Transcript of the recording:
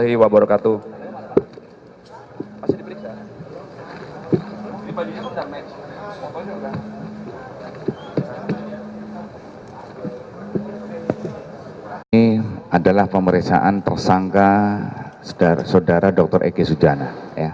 ini adalah pemeriksaan tersangka saudara dokter egy sujana